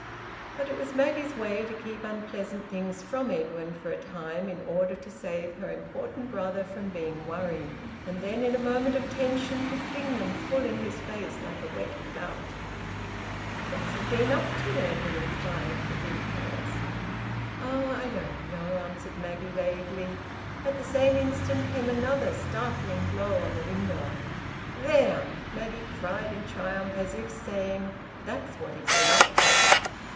But it was Maggie's way to keep unpleasant things from Edwin for a time, in order to save her important brother from being worried, and then in a moment of tension to fling them full in his face, like a wet clout. "What's he been up to?" Edwin inquired for details. "Oh! I don't know," answered Maggie vaguely. At the same instant came another startling blow on the window. "There!" Maggie cried, in triumph, as if saying: "That's what he's been up to!"